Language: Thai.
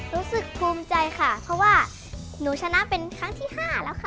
รู้สึกภูมิใจค่ะเพราะว่าหนูชนะเป็นครั้งที่๕แล้วค่ะ